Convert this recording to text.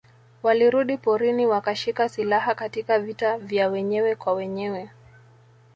Walirudi porini wakashika silaha Katika vita vya wenyewe kwa wenyewe